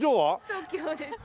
東京です。